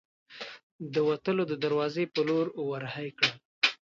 د وتلو د دراوزې په لور ور هۍ کړل.